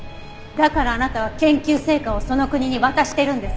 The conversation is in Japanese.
だからあなたは研究成果をその国に渡してるんですか？